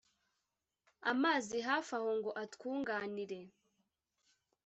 amazi hafi aho ngo atwunganire